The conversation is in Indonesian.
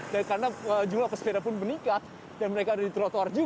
dan karena jumlah pesepeda pun meningkat dan mereka ada di trotoar